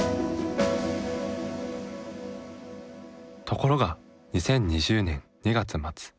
ところが２０２０年２月末。